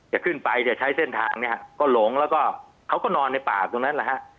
จะขึ้นไปจะใช้เส้นทางเนี่ยฮะก็หลงแล้วก็เขาก็นอนในป่าตรงนั้นแหละฮะ